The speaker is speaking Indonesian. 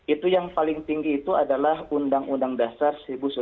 itu yang paling tinggi itu adalah undang undang dasar seribu sembilan ratus empat puluh lima